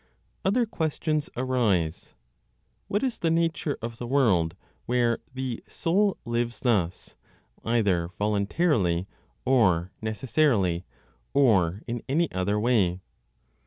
Other questions arise: What is the nature of the world where the soul lives thus, either voluntarily or necessarily, or in any other way?